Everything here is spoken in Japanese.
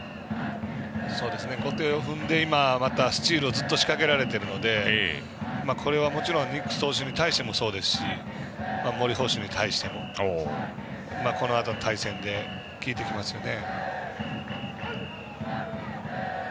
後手を踏んでまたスチールをずっと仕掛けられているのでこれはもちろんニックス投手に対してもそうですし森捕手に対しても。それがこのあとの対戦で効いてきますね。